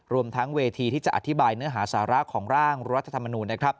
รวมทั้งเวทีที่จะอธิบายเนื้อหาสาระของร่างรัฐธรรมนูญนะครับ